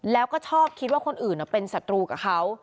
แล้วก็ชอบคิดว่าคนอื่นเป็นศัตรูกับเขา